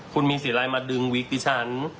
คุณมีสีอะไรมาดึงวิกดิฉัน